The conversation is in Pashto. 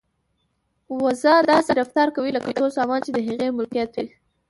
وزه داسې رفتار کوي لکه ټول سامان چې د هغې ملکیت وي.